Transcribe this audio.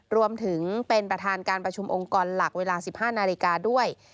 รวมถึงเป็นประธานการประชุมองค์กรหลักเวลา๑๕นาฬิกาด้วย